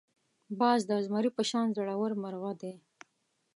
باز د زمري په شان زړور مرغه دی